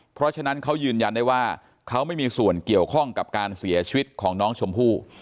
เพราะฉะนั้นเขายืนยันได้ว่าเขาไม่มีส่วนเกี่ยวข้องกับการเสียชีวิตของน้องชมพู่